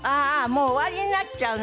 もう終わりになっちゃうな。